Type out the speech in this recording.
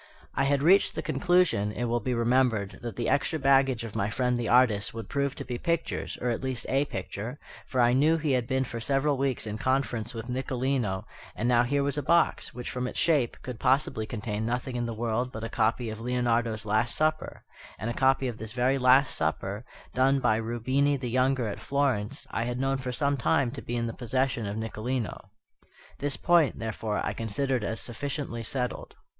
I had reached the conclusion, it will be remembered, that the extra baggage of my friend the artist would prove to be pictures, or at least a picture, for I knew he had been for several weeks in conference with Nicolino; and now here was a box, which, from its shape, could possibly contain nothing in the world but a copy of Leonardo's Last Supper; and a copy of this very Last Supper, done by Rubini the younger at Florence, I had known for some time to be in the possession of Nicolino. This point, therefore, I considered as sufficiently settled.